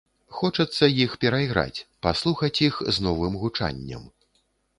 Хочацца іх перайграць, паслухаць іх з новым гучаннем.